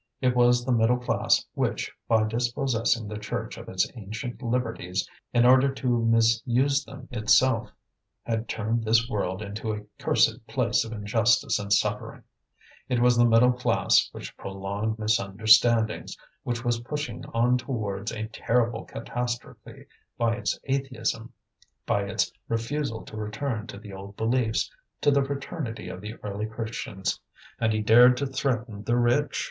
It was the middle class which, by dispossessing the Church of its ancient liberties in order to misuse them itself, had turned this world into a cursed place of injustice and suffering; it was the middle class which prolonged misunderstandings, which was pushing on towards a terrible catastrophe by its atheism, by its refusal to return to the old beliefs, to the fraternity of the early Christians. And he dared to threaten the rich.